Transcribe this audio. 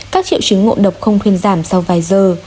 các triệu chứng ngộ độc không thuyên giảm sau vài giờ